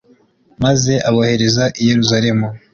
maze abohereza i yeruzalemu